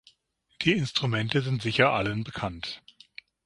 Die Instrumente sind sicher allen bekannt.